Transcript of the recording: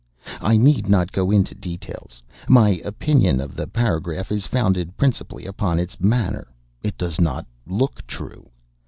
I need not go into details. My opinion of the paragraph is founded principally upon its manner. It does not look true.